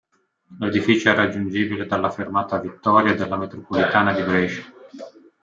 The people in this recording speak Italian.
L'edificio è raggiungibile dalla fermata "Vittoria" della metropolitana di Brescia.